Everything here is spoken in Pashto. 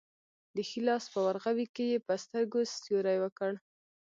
د ښي لاس په ورغوي کې یې په سترګو سیوری وکړ.